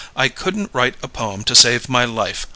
I couldn't write a poem to save my life.